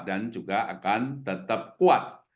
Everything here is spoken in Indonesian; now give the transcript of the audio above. dan juga akan tetap kuat